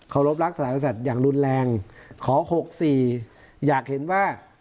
รบรักษากษัตริย์อย่างรุนแรงขอหกสี่อยากเห็นว่า